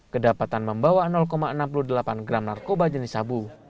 kedapatan membawa enam puluh delapan gram narkoba jenis sabu